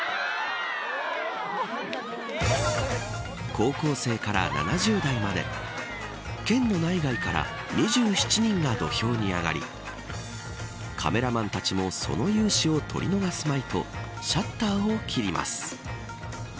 高校生から７０代まで県の内外から２７人が土俵に上がりカメラマンたちもその雄姿を撮り逃すまいとシャッターを切ります。